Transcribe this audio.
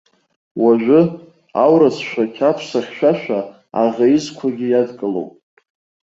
Уажәы, аурыс шәақь аԥса хьшәашәа аӷа изқәагьы иадкылоуп.